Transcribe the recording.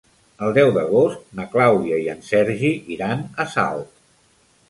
El deu d'agost na Clàudia i en Sergi iran a Salt.